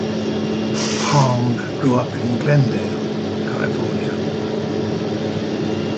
Hahn grew up in Glendale, California.